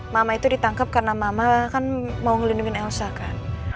mama itu ditangkap karena mama kan mau melindungi elsa kan